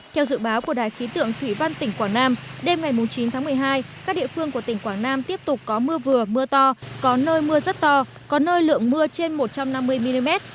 theo dự báo của đài khí tượng thủy văn tỉnh quảng nam đêm ngày chín tháng một mươi hai các địa phương của tỉnh quảng nam tiếp tục có mưa vừa mưa to có nơi mưa rất to có nơi lượng mưa trên một trăm năm mươi mm